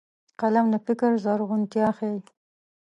قلم د فکر زرغونتيا ښيي